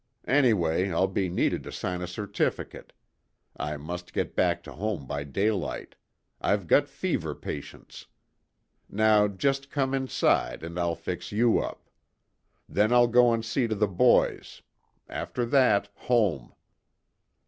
Anyway I'll be needed to sign a certificate. I must get back to home by daylight. I've got fever patients. Now just come inside, and I'll fix you up. Then I'll go and see to the boys. After that, home."